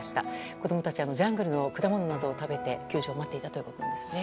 子供たちはジャングルの果物などを食べて救助を待っていたということですね。